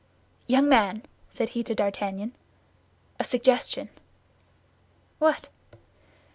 "Young man," said he to D'Artagnan, "a suggestion." "What?"